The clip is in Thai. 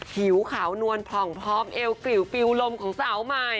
ผิวขาวนวลผ่องพร้อมเอวกลิวปิวลมของสาวใหม่